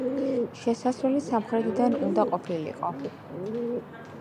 შესასვლელი სამხრეთიდან უნდა ყოფილიყო.